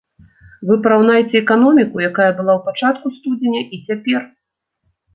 Вы параўнайце эканоміку, якая была ў пачатку студзеня, і цяпер!